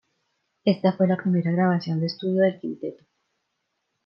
Esta fue la primera grabación de estudio del quinteto.